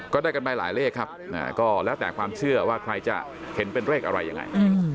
ก็ได้กันไปหลายเลขครับก็แล้วแต่ความเชื่อว่าใครจะเห็นเป็นเลขอะไรยังไง